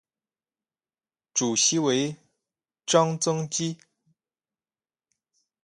主席为张曾基。